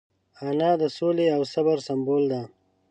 انا د سولې او صبر سمبول ده